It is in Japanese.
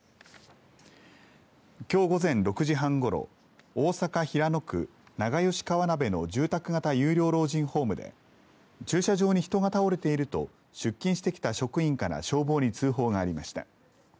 きょう午前６時半ごろ大阪、平野区長吉川辺の住宅型有料老人ホームで駐車場に人が倒れていると出勤してきた職員から消防に通報がありました。